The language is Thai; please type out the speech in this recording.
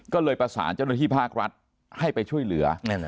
ก็เลยประสานเจ้าหน้าที่ภาครัฐให้ไปช่วยเหลือ